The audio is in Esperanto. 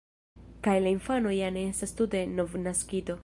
Kaj la infano ja ne estas tute novnaskito.